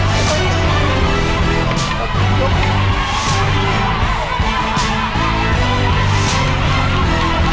ท่อนที่๓เสร็จแล้วนะครับแต่ว่ายังบั๊กไม่เสร็จนะครับ